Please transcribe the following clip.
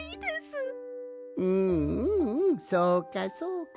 うんうんうんそうかそうか。